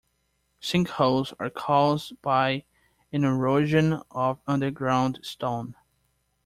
Sinkholes are caused by an erosion of underground stone.